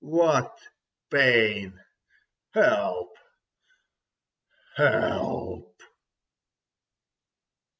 What pain! Help! Help!